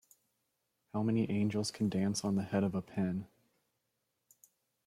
How many angels can dance on the head of a pin?